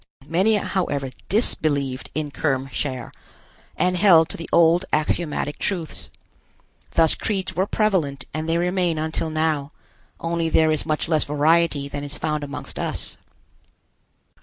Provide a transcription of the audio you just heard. Many, however, disbelieved in Kerm Cher, and held to the old axiomatic truths. Thus creeds were prevalent and they remain until now, only there is much less variety than is found amongst us.